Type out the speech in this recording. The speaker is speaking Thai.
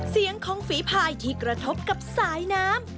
เสียงของฝีภายที่กระทบกับสายน้ำ